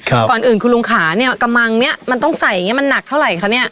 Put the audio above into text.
ก่อนอื่นคุณลุงขาเนี้ยกระมังเนี้ยมันต้องใส่อย่างเงี้มันหนักเท่าไหร่คะเนี้ย